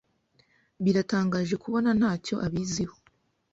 Biratangaje kubona ntacyo abiziho.